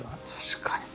確かに。